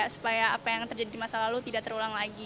supaya apa yang terjadi di masa lalu tidak terulang lagi